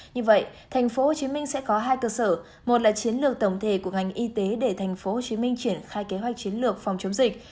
như vậy thành phố hồ chí minh sẽ có hai cơ sở một là chiến lược tổng thể của ngành y tế để thành phố hồ chí minh triển khai kế hoạch chiến lược phòng chống dịch